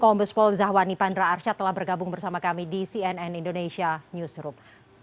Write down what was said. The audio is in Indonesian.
kombes pol zahwani pandra arsyad telah bergabung bersama kami di cnn indonesia newsroom